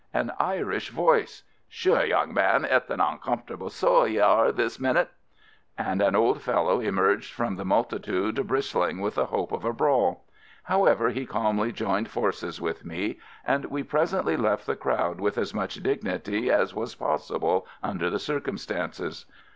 An Irish voice! "Sure, young man, it's an uncomfortable soul ye are this minute." And an old fellow emerged from the mul titude bristling with the hope of a brawl. However, he calmly joined forces with me — and we presently left the crowd with as much dignity as was possible under the circumstances.